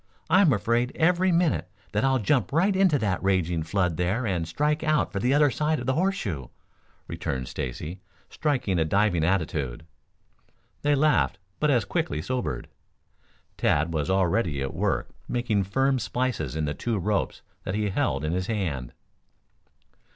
I am afraid every minute that I'll jump right into that raging flood there and strike out for the other side of the horseshoe," returned Stacy, striking a diving attitude. They laughed, but as quickly sobered. Tad was already at work making firm splices in the two ropes that he held in his hand.